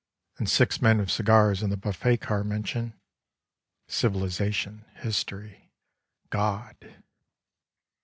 And — six men with cigars in the buffet car mention " civilization," " history," " God."